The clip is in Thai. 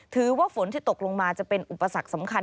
ถือว่าฝนที่ตกลงมาจะเป็นอุปสรรคสำคัญ